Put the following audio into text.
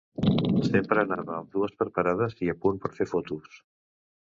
Sempre anava amb dues preparades i a punt per fer fotos.